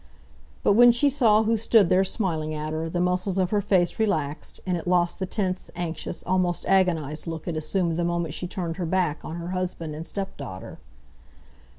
But when she saw who stood there smiling at her, the muscles of her face relaxed, and it lost the tense, anxious, almost agonised look it assumed the moment she turned her back on her husband and stepdaughter.